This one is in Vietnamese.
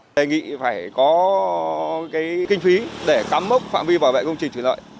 đề nghị phải có kinh phí để cắm mốc phạm vi bảo vệ công trình thủy lợi